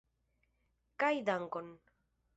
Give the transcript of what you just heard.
Kaj dankon!